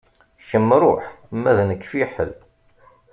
Kemm ṛuḥ ma d nekk fiḥel.